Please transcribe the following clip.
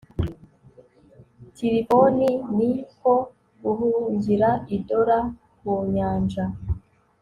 tirifoni ni ko guhungira i dora ku nyanja